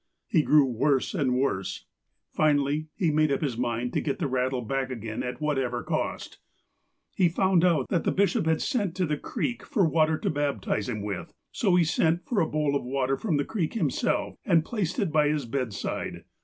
He grew worse and worse. Finally, he made up his mind to get that rattle back again at whatever cost. He found out that the bishop had sent to the creek for water to baptize him with. So he sent for a bowl of water from the creek himself, and placed it by his bed side.